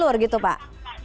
jalur gitu pak